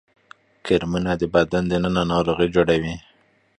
کرمونه د بدن دننه ناروغي جوړوي